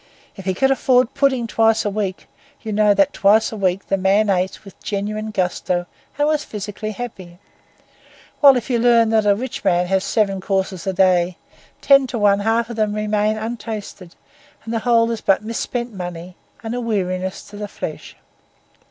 If he could afford pudding twice a week, you know that twice a week the man ate with genuine gusto and was physically happy; while if you learn that a rich man has seven courses a day, ten to one the half of them remain untasted, and the whole is but misspent money and a weariness to the flesh.